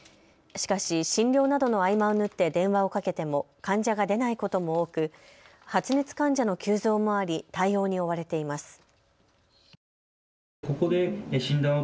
しかし診療などの合間を縫って電話をかけても患者が出ないことも多く発熱患者の急増もあり対応に追われています。